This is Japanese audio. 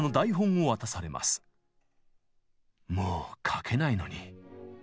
「もう書けないのに」。